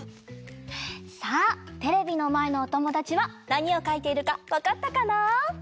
さあテレビのまえのおともだちはなにをかいているかわかったかな？